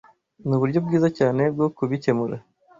Nuburyo bwiza cyane bwo kubikemura.